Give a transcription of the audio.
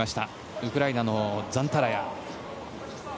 ウクライナのザンタラヤ。